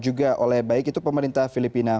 juga oleh baik itu pemerintah filipina